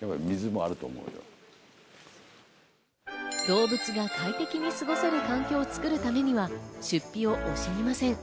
動物が快適に過ごせる環境を作るためには出費を惜しみません。